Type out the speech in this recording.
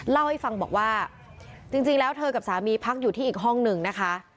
เล่าให้ฟังบอกว่าจริงแล้วเธอกับสามีพักอยู่ที่อีกห้องหนึ่งนะคะ